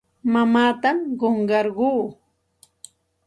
Mamaatam qunqarquu.